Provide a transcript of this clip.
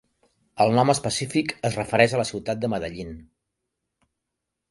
El nom específic es refereix a la ciutat de Medellín.